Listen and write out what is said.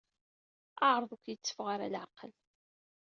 Ɛreḍ ur k-yetteffeɣ ara leɛqel.